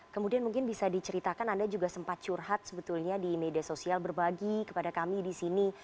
kemudian mungkin bisa diceritakan anda juga sempat curhat sebetulnya di media sosial berbagi kepada kami di sini